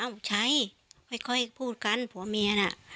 เอ้าใช่ค่อยพูดกันผัวเมียนะ